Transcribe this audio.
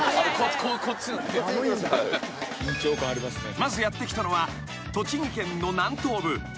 ［まずやって来たのは栃木県の南東部］